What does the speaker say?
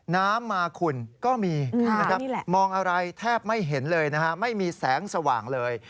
น้ำมาขุ่นก็มีนะครับมองอะไรแทบไม่เห็นเลยนะฮะไม่มีแสงสว่างเลย